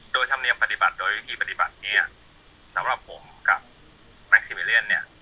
โดยธรรมเนียมปฏิบัติโดยวิธีปฏิบัติเนี่ยสำหรับผมกับแม็กซิวิเลียนเนี่ย